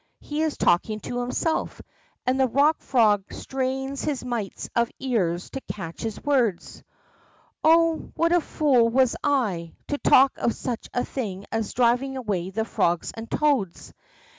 he is talking to himself, and the Kock Frog strains his mites of ears to catch his words: Oh, what a fool was I, to talk of such a thing as driving away the frogs and the toads